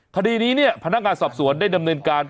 คดีนี้เนี่ยพนักงานสอบสวนได้ดำเนินการ